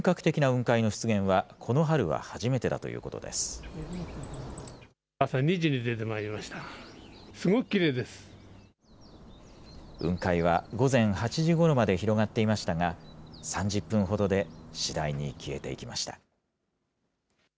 雲海は午前８時ごろまで広がっていましたが、３０分ほどで次第に消えていきました。